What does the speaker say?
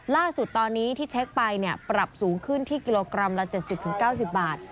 ล่าสุดตอนนี้ที่เช็คไปปรับสูงขึ้นที่กิโลกรัมละ๗๐๙๐บาท